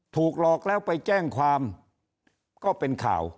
ถูกหลอกแล้วไปแจ้งความก็เป็นข่าว